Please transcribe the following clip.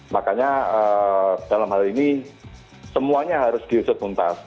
makanya dalam hal ini semuanya harus diusut muntas